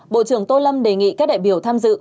bộ trưởng tô lâm đề nghị các đại biểu tham dự